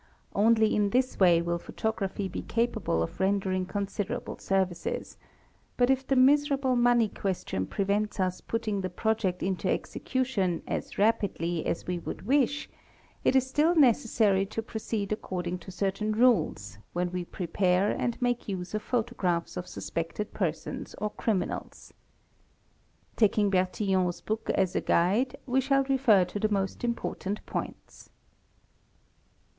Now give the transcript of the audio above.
Only in this way will photography : 34 266 THE EXPERT be capable of rendering considerable services; but if the miserable money question prevents us putting the project into execution as rapidly as we would wish, it is still necessary to proceed according to certain rules, when we prepare and make use of photographs of suspected persons or — criminals. 'Taking Bertillon's book as a guide we shall refer to the most important points.